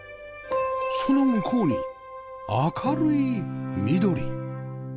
その向こうに明るい緑